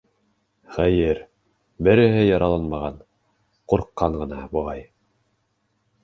Хәйер, береһе яраланмаған, ҡурҡҡан ғына, буғай.